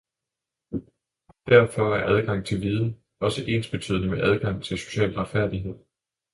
Derfor er adgang til viden også ensbetydende med adgang til social retfærdighed.